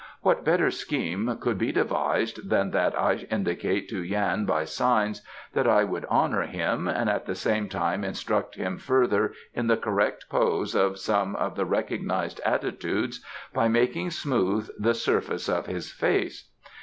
"What better scheme could be devised than that I should indicate to Yan by signs that I would honour him, and at the same time instruct him further in the correct pose of some of the recognized attitudes, by making smooth the surface of his face?